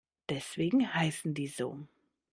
Deswegen heißen die so.